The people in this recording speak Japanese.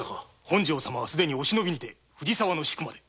本庄様はおしのびにて藤沢の宿まで。